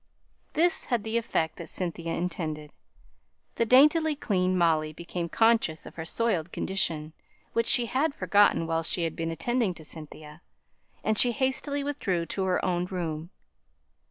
This had the effect that Cynthia intended; the daintily clean Molly became conscious of her soiled condition, which she had forgotten while she had been attending to Cynthia, and she hastily withdrew to her own room.